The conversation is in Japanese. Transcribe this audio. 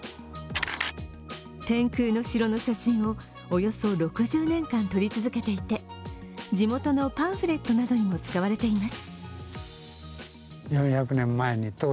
天空の城の写真をおよそ６０年間、撮り続けていて地元のパンフレットなどにも使われています。